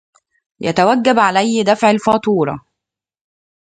يتوجب عليَّ دفع الفاتورة.